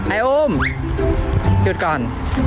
ไอ้อุ้มหยุดก่อน